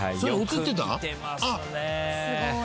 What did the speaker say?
すごい。